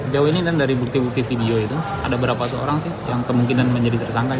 sejauh ini dari bukti bukti video itu ada berapa seorang yang kemungkinan menjadi tersangka